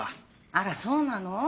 あらそうなの？